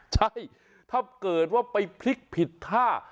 ใช่ถ้าเกิดว่าไปพลิกผิดท่า